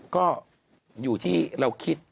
ก็อยู่ที่เราคิด